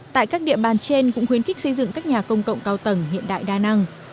tại các địa bàn trên cũng khuyến khích xây dựng các nhà công cộng cao tầng hiện đại đa năng